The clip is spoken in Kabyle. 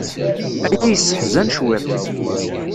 Aya yesseḥzan cwiṭ.